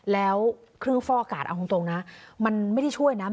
แล้วเครื่องฟ่ออากาศเอาตรงนะมันไม่ได้ช่วยนะ